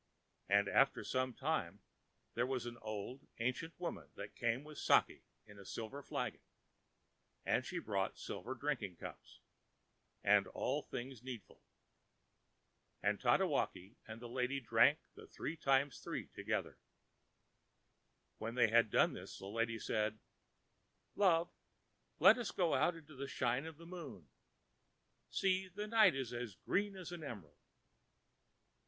And after some time there was an old ancient woman that came with sakûˋ in a silver flagon; and she brought silver drinking cups and all things needful. And Tatewaki and the lady drank the ãThree Times Threeã together. When they had done this the lady said, ãLove, let us go out into the shine of the moon. See, the night is as green as an emerald....